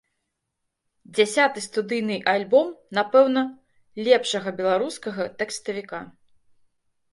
Дзясяты студыйны альбом, напэўна, лепшага беларускага тэкставіка.